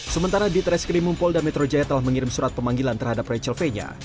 sementara di treskrimum polda metro jaya telah mengirim surat pemanggilan terhadap rachel fenya